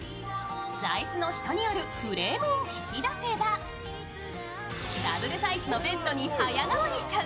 座椅子の下にあるフレームを引き出せばダブルサイズのベッドに早変わりしちゃう